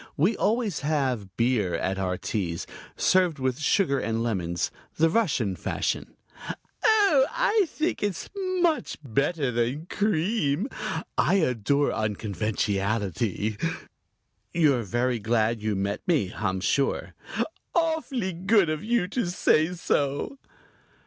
We always have beer at our teas served with sugar and lemons, the Russian fashion." "Oh, I think it's much better than cream. I adore unconventionality." "You're very glad you met me, I'm sure." "Awfully good of you to say so."